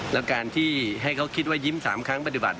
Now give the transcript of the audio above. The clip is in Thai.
แล้วการที่ให้เขาคิดว่ายิ้ม๓ครั้งปฏิบัติ